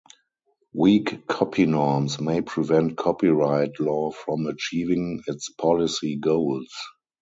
Weak copynorms may prevent copyright law from achieving its policy goals.